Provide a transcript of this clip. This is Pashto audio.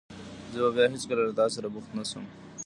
زه به بیا هېڅکله له تاسره بوخت نه شم.